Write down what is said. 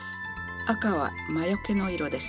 赤は魔よけの色です。